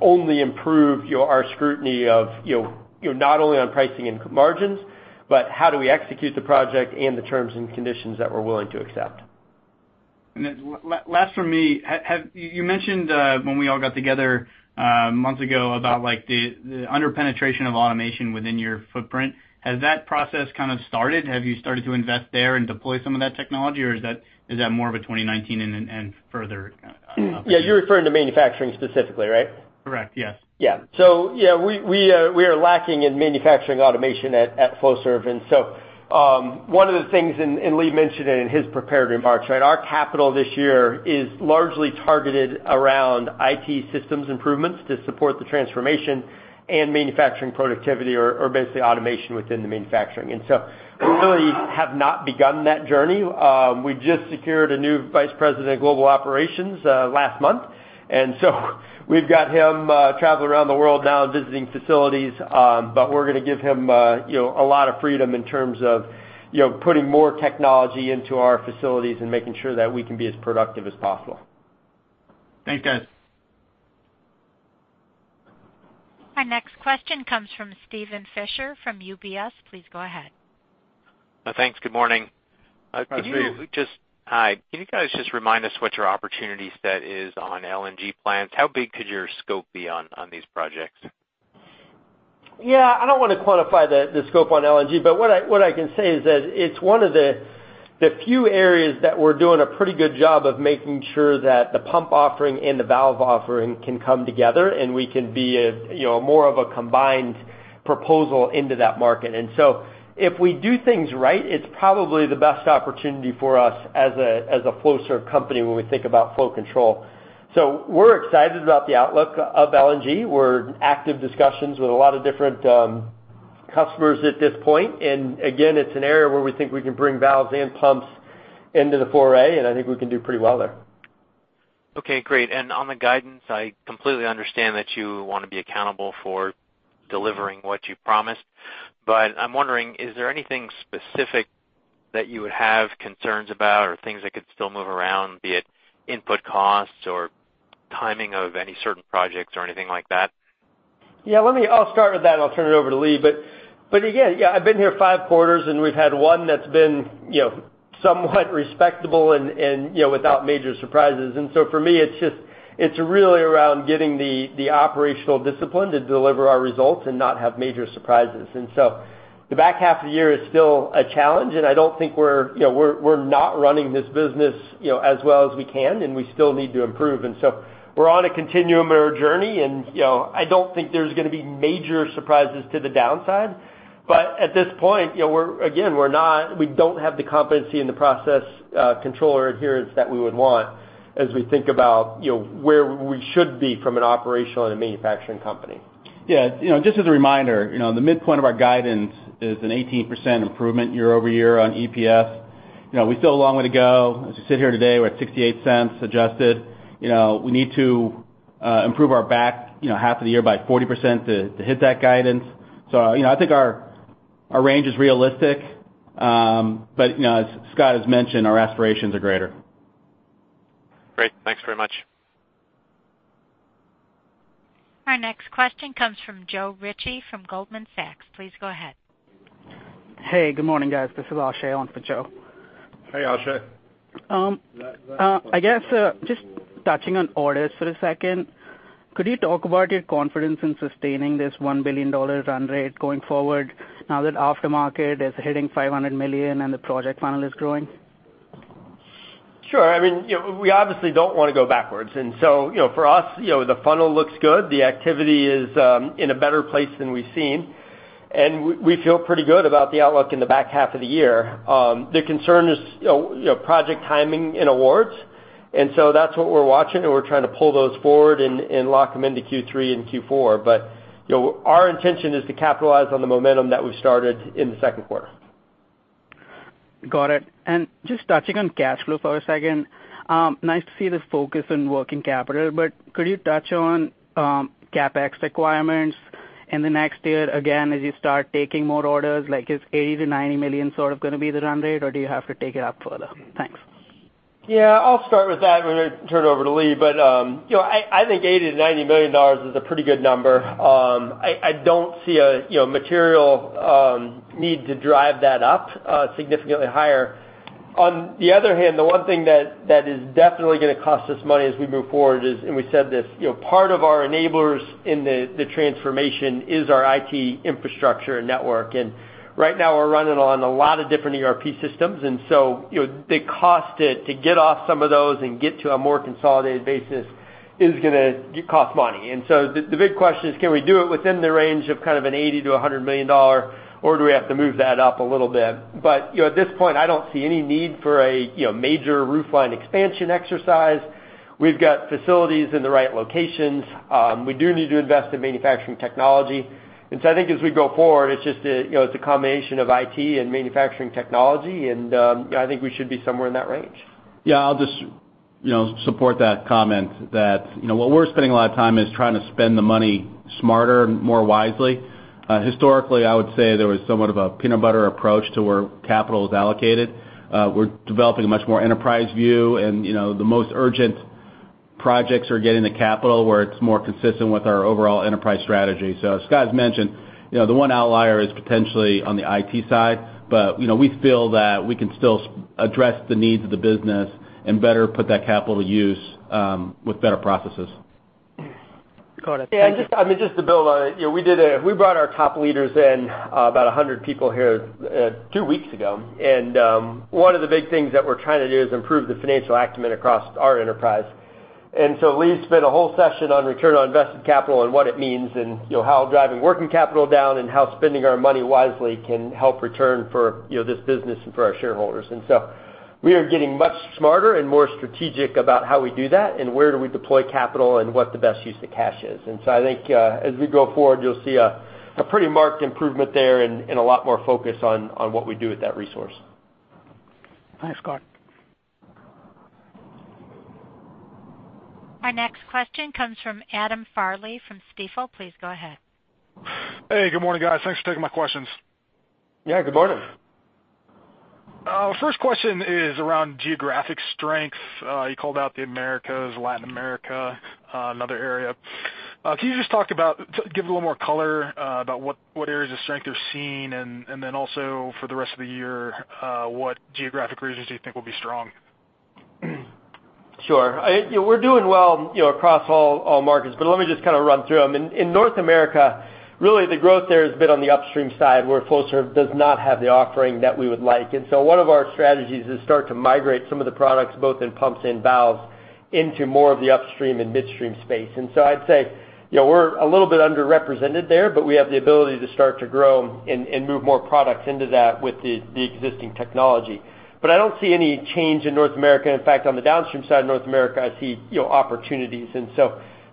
C: only improved our scrutiny of not only on pricing and margins, but how do we execute the project and the terms and conditions that we're willing to accept.
J: Last from me. You mentioned when we all got together months ago about the under-penetration of automation within your footprint. Has that process kind of started? Have you started to invest there and deploy some of that technology, or is that more of a 2019 and further opportunity?
C: You're referring to manufacturing specifically, right?
J: Correct. Yes.
C: We are lacking in manufacturing automation at Flowserve. One of the things, Lee mentioned it in his prepared remarks, right? Our capital this year is largely targeted around IT systems improvements to support the transformation and manufacturing productivity or basically automation within the manufacturing. We really have not begun that journey. We just secured a new vice president of global operations last month, we've got him traveling around the world now visiting facilities. We're going to give him a lot of freedom in terms of putting more technology into our facilities and making sure that we can be as productive as possible. Thanks, guys.
A: Our next question comes from Steven Fisher from UBS. Please go ahead.
K: Thanks. Good morning.
C: Hi, Steve.
K: Hi. Can you guys just remind us what your opportunity set is on LNG plans? How big could your scope be on these projects?
C: Yeah. I don't want to quantify the scope on LNG, what I can say is that it's one of the few areas that we're doing a pretty good job of making sure that the pump offering and the valve offering can come together, and we can be more of a combined proposal into that market. If we do things right, it's probably the best opportunity for us as a Flowserve company when we think about flow control. We're excited about the outlook of LNG. We're in active discussions with a lot of different customers at this point. Again, it's an area where we think we can bring valves and pumps into the foray, and I think we can do pretty well there.
K: Okay, great. On the guidance, I completely understand that you want to be accountable for delivering what you promised, but I'm wondering, is there anything specific that you would have concerns about or things that could still move around, be it input costs or timing of any certain projects or anything like that?
C: Yeah. I'll start with that, and I'll turn it over to Lee. Again, yeah, I've been here five quarters, and we've had one that's been somewhat respectable and without major surprises. For me, it's really around getting the operational discipline to deliver our results and not have major surprises. The back half of the year is still a challenge, and I don't think we're not running this business as well as we can, and we still need to improve. We're on a continuum or a journey, and I don't think there's going to be major surprises to the downside. At this point, again, we don't have the competency in the process control adherence that we would want as we think about where we should be from an operational and a manufacturing company.
D: Yeah. Just as a reminder, the midpoint of our guidance is an 18% improvement year-over-year on EPS. We've still a long way to go. As we sit here today, we're at $0.68 adjusted. We need to improve our back half of the year by 40% to hit that guidance. I think our range is realistic. As Scott has mentioned, our aspirations are greater.
K: Great. Thanks very much.
A: Our next question comes from Joe Ritchie from Goldman Sachs. Please go ahead.
L: Hey, good morning, guys. This is Ashay on for Joe.
C: Hey, Ashay.
L: I guess, just touching on orders for a second. Could you talk about your confidence in sustaining this $1 billion run rate going forward now that aftermarket is hitting $500 million and the project funnel is growing?
C: Sure. We obviously don't want to go backwards. For us, the funnel looks good. The activity is in a better place than we've seen, we feel pretty good about the outlook in the back half of the year. The concern is project timing and awards, that's what we're watching, we're trying to pull those forward and lock them into Q3 and Q4. Our intention is to capitalize on the momentum that we've started in the second quarter.
L: Got it. Just touching on cash flow for a second. Nice to see the focus on working capital, could you touch on CapEx requirements in the next year, again, as you start taking more orders? Is $80 million-$90 million sort of going to be the run rate, or do you have to take it up further? Thanks.
C: Yeah. I'll start with that, I'm going to turn it over to Lee. I think $80 million-$90 million is a pretty good number. I don't see a material need to drive that up significantly higher. On the other hand, the one thing that is definitely going to cost us money as we move forward is, we said this, part of our enablers in the transformation is our IT infrastructure and network. Right now we're running on a lot of different ERP systems, the cost to get off some of those and get to a more consolidated basis is going to cost money. The big question is, can we do it within the range of kind of an $80 million-$100 million, or do we have to move that up a little bit? I don't see any need for a major roof line expansion exercise. We've got facilities in the right locations. We do need to invest in manufacturing technology. I think as we go forward, it's a combination of IT and manufacturing technology, and I think we should be somewhere in that range.
D: Yeah. I'll just support that comment that where we're spending a lot of time is trying to spend the money smarter and more wisely. Historically, I would say there was somewhat of a peanut butter approach to where capital was allocated. We're developing a much more enterprise view, and the most urgent projects are getting the capital where it's more consistent with our overall enterprise strategy. As Scott has mentioned, the one outlier is potentially on the IT side, but we feel that we can still address the needs of the business and better put that capital to use with better processes.
L: Got it. Thank you.
C: Yeah. Just to build on it. We brought our top leaders in, about 100 people here, two weeks ago. One of the big things that we're trying to do is improve the financial acumen across our enterprise. Lee spent a whole session on return on invested capital and what it means, and how driving working capital down and how spending our money wisely can help return for this business and for our shareholders. We are getting much smarter and more strategic about how we do that and where do we deploy capital and what the best use of cash is. I think as we go forward, you'll see a pretty marked improvement there and a lot more focus on what we do with that resource.
L: Thanks, Scott.
A: Our next question comes from Adam Farley from Stifel. Please go ahead.
M: Hey, good morning, guys. Thanks for taking my questions.
C: Yeah, good morning.
M: First question is around geographic strength. You called out the Americas, Latin America, another area. Can you just give a little more color about what areas of strength you're seeing? Also for the rest of the year, what geographic regions do you think will be strong?
C: Sure. We're doing well across all markets, but let me just kind of run through them. In North America, really the growth there has been on the upstream side, where Flowserve does not have the offering that we would like. One of our strategies is start to migrate some of the products, both in pumps and valves, into more of the upstream and midstream space. I'd say, we're a little bit underrepresented there, but we have the ability to start to grow and move more products into that with the existing technology. I don't see any change in North America. In fact, on the downstream side of North America, I see opportunities.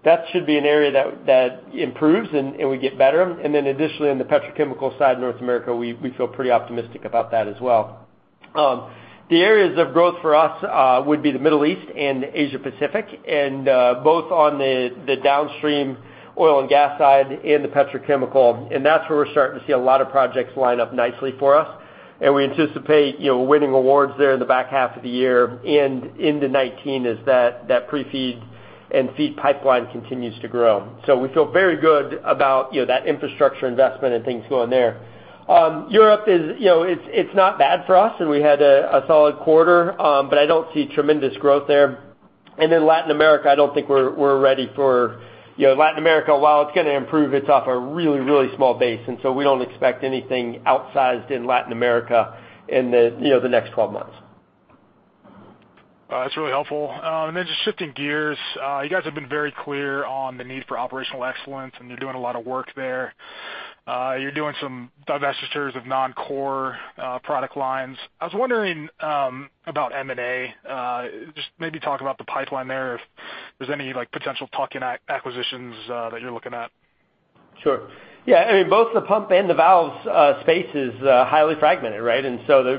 C: That should be an area that improves and will get better. Additionally, on the petrochemical side of North America, we feel pretty optimistic about that as well. The areas of growth for us would be the Middle East and Asia Pacific, and both on the downstream oil and gas side and the petrochemical. That's where we're starting to see a lot of projects line up nicely for us. We anticipate winning awards there in the back half of the year and into 2019 as that pre-FEED and FEED pipeline continues to grow. We feel very good about that infrastructure investment and things going there. Europe, it's not bad for us, and we had a solid quarter, but I don't see tremendous growth there. In Latin America, I don't think we're ready for Latin America. While it's going to improve, it's off a really, really small base. We don't expect anything outsized in Latin America in the next 12 months.
M: That's really helpful. Just shifting gears, you guys have been very clear on the need for operational excellence, and you're doing a lot of work there. You're doing some divestitures of non-core product lines. I was wondering about M&A. Just maybe talk about the pipeline there, if there's any potential tuck-in acquisitions that you're looking at.
C: Sure. Yeah, both the pump and the valves space is highly fragmented, right?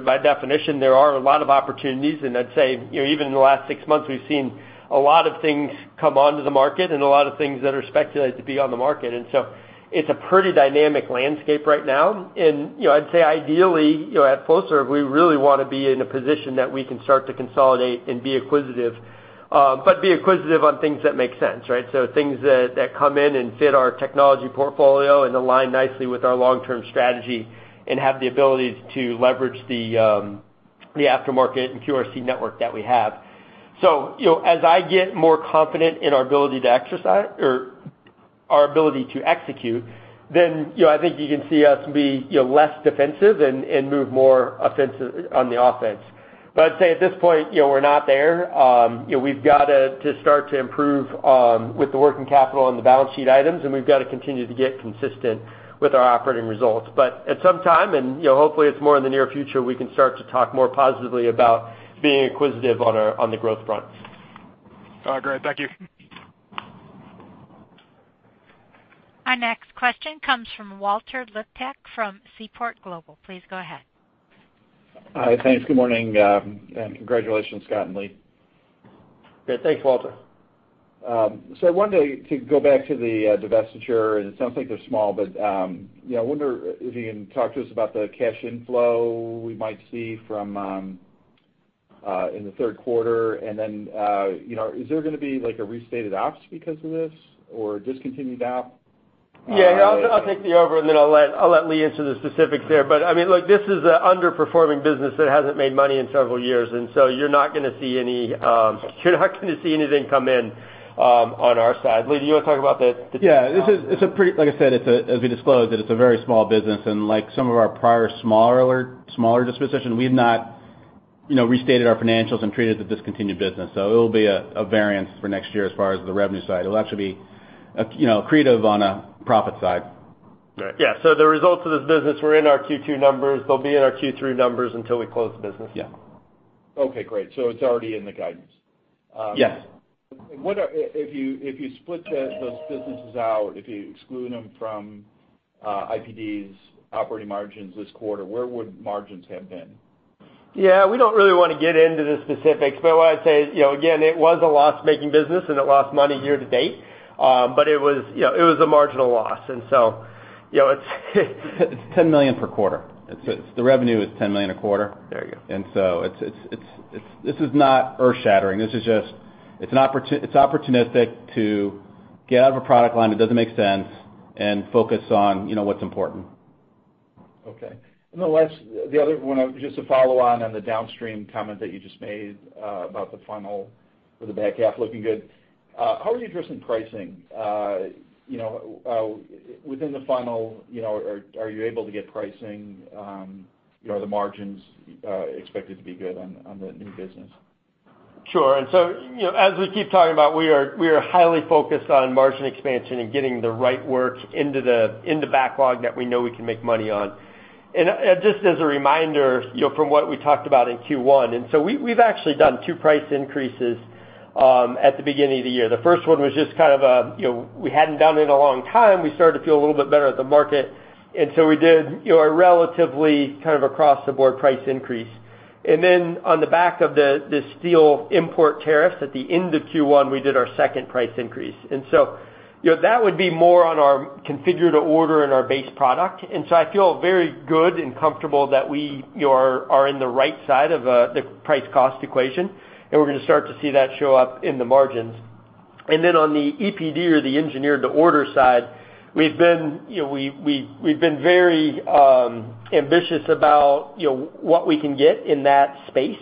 C: By definition, there are a lot of opportunities, and I'd say, even in the last six months, we've seen a lot of things come onto the market and a lot of things that are speculated to be on the market. It's a pretty dynamic landscape right now. I'd say ideally, at Flowserve, we really want to be in a position that we can start to consolidate and be acquisitive. Be acquisitive on things that make sense, right? Things that come in and fit our technology portfolio and align nicely with our long-term strategy and have the ability to leverage the aftermarket and QRC network that we have. As I get more confident in our ability to execute, then I think you can see us be less defensive and move more on the offense. I'd say at this point, we're not there. We've got to start to improve with the working capital and the balance sheet items, and we've got to continue to get consistent with our operating results. At some time, and hopefully it's more in the near future, we can start to talk more positively about being acquisitive on the growth fronts.
M: All right, great. Thank you.
A: Our next question comes from Walter Liptak from Seaport Global. Please go ahead.
N: Hi, thanks. Good morning, congratulations, Scott and Lee.
C: Great. Thanks, Walter.
N: I wanted to go back to the divestiture, it sounds like they're small, I wonder if you can talk to us about the cash inflow we might see in the third quarter, is there going to be a restated ops because of this or a discontinued op?
C: Yeah, I'll take the over, I'll let Lee answer the specifics there. Look, this is an underperforming business that hasn't made money in several years, you're not going to see anything come in on our side. Lee, do you want to talk about the details?
D: Like I said, as we disclosed, it's a very small business, and like some of our prior smaller disposition, we have not restated our financials and treated the discontinued business. It'll be a variance for next year as far as the revenue side. It'll actually be accretive on a profit side.
C: The results of this business were in our Q2 numbers. They'll be in our Q3 numbers until we close the business.
D: Yeah.
N: Okay, great. It's already in the guidance.
D: Yes.
N: If you split those businesses out, if you exclude them from IPD's operating margins this quarter, where would margins have been?
C: Yeah, we don't really want to get into the specifics, what I'd say is, again, it was a loss-making business, and it lost money year to date. It was a marginal loss.
D: It's $10 million per quarter. The revenue is $10 million a quarter.
N: There you go.
D: This is not earth-shattering. It's opportunistic to get out of a product line that doesn't make sense and focus on what's important.
N: Okay. The other one, just a follow-on, on the downstream comment that you just made about the funnel for the back half looking good. How are you addressing pricing? Within the funnel, are you able to get pricing? Are the margins expected to be good on the new business?
C: Sure. As we keep talking about, we are highly focused on margin expansion and getting the right work into backlog that we know we can make money on. Just as a reminder, from what we talked about in Q1, we've actually done two price increases at the beginning of the year. The first one was just kind of a, we hadn't done it in a long time. We started to feel a little bit better at the market. We did a relatively kind of across-the-board price increase. Then on the back of the steel import tariffs at the end of Q1, we did our second price increase. That would be more on our configure to order and our base product. I feel very good and comfortable that we are in the right side of the price-cost equation, and we're going to start to see that show up in the margins. On the EPD or the engineer-to-order side, we've been very ambitious about what we can get in that space.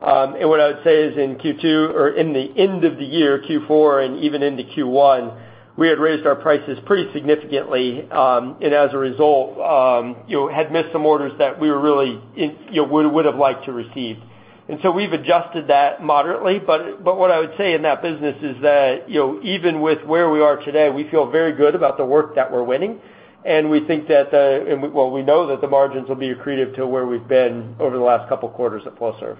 C: What I would say is in Q2 or in the end of the year, Q4, and even into Q1, we had raised our prices pretty significantly, and as a result had missed some orders that we would've liked to receive. We've adjusted that moderately. What I would say in that business is that even with where we are today, we feel very good about the work that we're winning, and we know that the margins will be accretive to where we've been over the last couple of quarters at Flowserve.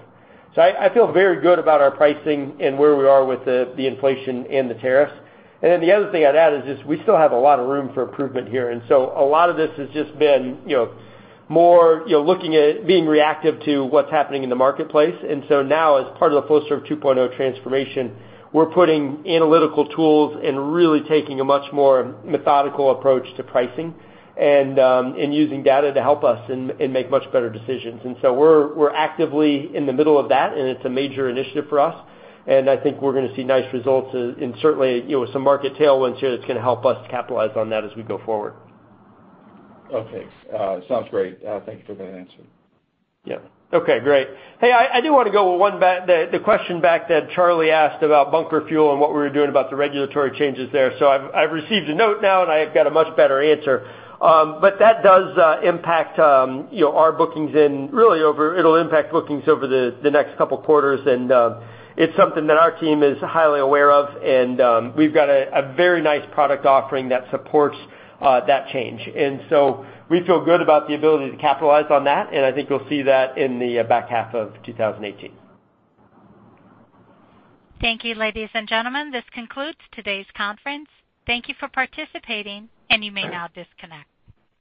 C: I feel very good about our pricing and where we are with the inflation and the tariffs. The other thing I'd add is just we still have a lot of room for improvement here. A lot of this has just been more being reactive to what's happening in the marketplace. Now as part of the Flowserve 2.0 transformation, we're putting analytical tools and really taking a much more methodical approach to pricing and using data to help us and make much better decisions. We're actively in the middle of that, and it's a major initiative for us, and I think we're going to see nice results and certainly some market tailwinds here that's going to help us capitalize on that as we go forward.
N: Okay. Sounds great. Thank you for that answer.
C: Yeah. Okay, great. Hey, I do want to go with the question back that Charlie asked about bunker fuel and what we were doing about the regulatory changes there. I've received a note now, and I've got a much better answer. That does impact our bookings, and really it'll impact bookings over the next couple of quarters. It's something that our team is highly aware of, and we've got a very nice product offering that supports that change. We feel good about the ability to capitalize on that, and I think you'll see that in the back half of 2018.
A: Thank you, ladies and gentlemen. This concludes today's conference. Thank you for participating, and you may now disconnect.